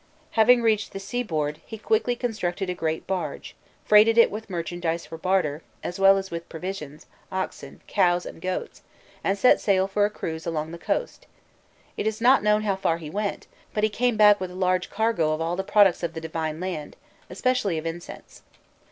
Having reached the seaboard, he quickly constructed a great barge, freighted it with merchandise for barter, as well as with provisions, oxen, cows, and goats, and set sail for a cruise along the coast: it is not known how far he went, but he came back with a large cargo of all the products of the "Divine Land," especially of incense.